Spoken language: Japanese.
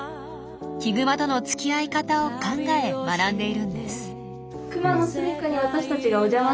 ヒグマとのつきあい方を考え学んでいるんです。